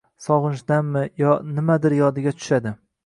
Sog‘inchdanmi yoki nimadir yodiga tushadi.